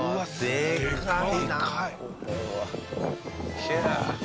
でかい！